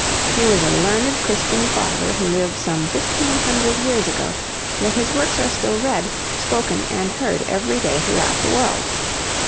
He was a learned Christian father who lived some fifteen hundred years ago, yet his works are still read, spoken, and heard every day throughout the world.